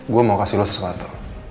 gue mau kasih lo sesuatu